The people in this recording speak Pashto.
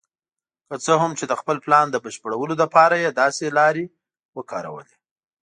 که څه هم چې د خپل پلان د بشپړولو لپاره یې داسې لارې وکارولې.